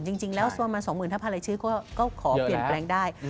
จริงแล้วสมมันสองหมื่นถ้าผ่านรายชื่อก็ขอเปลี่ยนแปลงได้